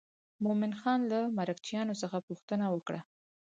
مومن خان له مرکچیانو څخه پوښتنه وکړه.